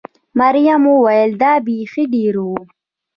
مريم وویل: دا بېخي ډېر و.